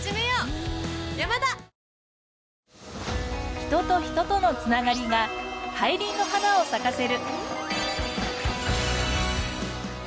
人と人との繋がりが大輪の花を咲かせる。